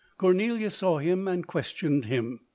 Cor nelia saw him and questioned him.